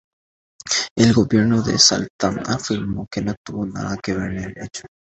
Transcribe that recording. El Gobierno de Salta afirmó que no tuvo nada que ver con el hecho.